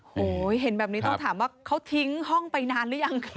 โอ้โหเห็นแบบนี้ต้องถามว่าเขาทิ้งห้องไปนานหรือยังคะ